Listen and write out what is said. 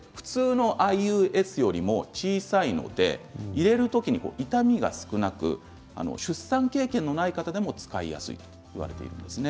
普通のＩＵＳよりも小さいので入れる時に痛みが少なく出産経験のない方でも使いやすいと言われています。